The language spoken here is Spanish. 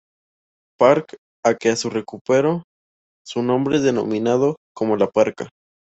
Park a que recuperara su nombre denominado como La Parka.